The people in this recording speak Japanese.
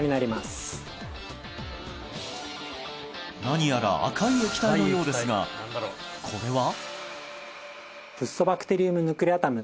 何やら赤い液体のようですがこれは？